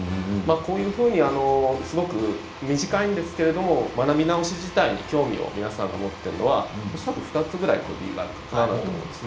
こういうふうにすごく短いんですけれど学び直し自体に興味を持っているのは恐らく２つ理由があると思います。